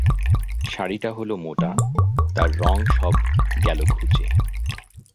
শাড়িটা হল মোটা, তার রঙ সব গেল ঘুচে।